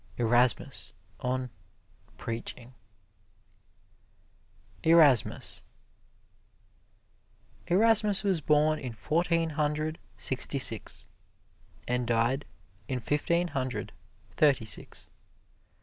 Erasmus on "Preaching" ERASMUS Erasmus was born in Fourteen Hundred Sixty six, and died in Fifteen Hundred Thirty six.